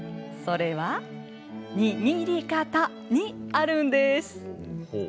それは「握り方」にあるんです！